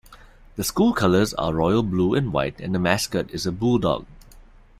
The school colors are Royal blue and white and the mascot is a bulldog.